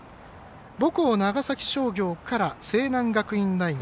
母校の長崎商業とから西南学院大学。